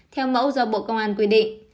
theo mẫu do bộ công an quyết định